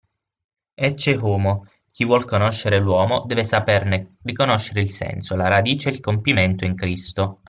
Ecce homo: chi vuol conoscere l'uomo, deve saperne riconoscere il senso, la radice e il compimento in Cristo